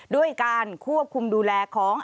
ด้วยการควบคุมดูแลของ